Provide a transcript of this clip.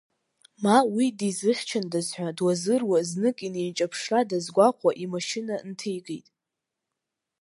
Ма уи дизыхьчандаз ҳәа дуазыруа, знык инеиҿаԥшра дазгәаҟуа, имашьына нҭигеит.